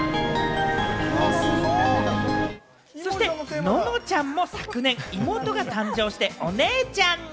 そして、ののちゃんも昨年、妹が誕生して、お姉ちゃんに。